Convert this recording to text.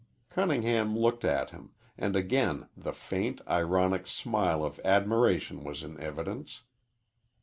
Cunningham looked at him, and again the faint, ironic smile of admiration was in evidence.